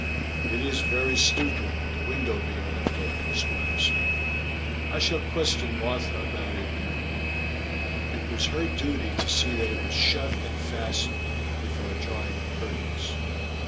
"It is very stupid the window being left open," the Squire said. "I shall question Martha about it in the morning; it was her duty to see that it was shut and fastened before drawing the curtains.